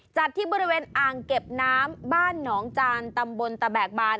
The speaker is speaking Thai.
จัดที่บริเวณอ่างเก็บน้ำบ้านหนองจานตำบลตะแบกบาน